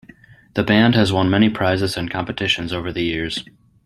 The band has won many prizes and competitions over the years.